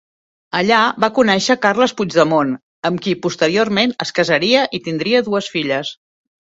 Allà va conèixer Carles Puigdemont, amb qui posteriorment es casaria i tindria dues filles.